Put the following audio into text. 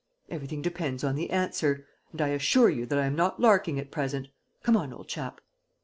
Everything depends on the answer. And I assure you that I'm not larking at present. Come on, old chap!"